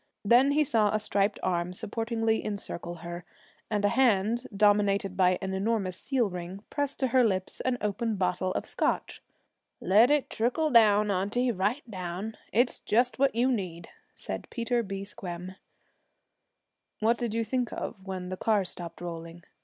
Then he saw a striped arm supportingly encircle her, and a hand dominated by an enormous seal ring press to her lips an open bottle of Scotch. 'Let it trickle down, auntie right down. It's just what you need,' said Peter B. Squem. 'What did you think of when the car stopped rolling?'